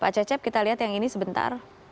pak cecep kita lihat yang ini sebentar